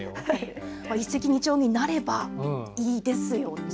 一石二鳥になればいいですよね。